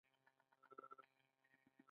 ما باندې عابد ډېر ګران دی